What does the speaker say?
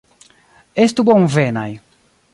Estu bonvenaj!